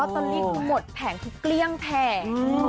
เพราะว่าตอนนี้คือหมดแผงคือเกลี้ยงแพง